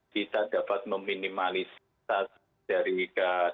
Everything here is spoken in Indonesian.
kita dapat meminimalisasi dari gas